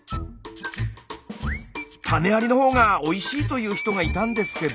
「種ありの方がおいしい」と言う人がいたんですけど。